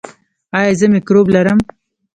ایا زه مکروب لرم؟